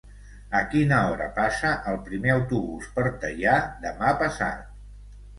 A quina hora passa el primer autobús per Teià demà passat?